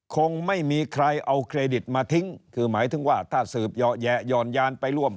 คงไม่มีใครเอาเครดิตมาทิ้งคือหมายถึงว่าถ้าสืบเหอะแยะหย่อนยานไปร่วม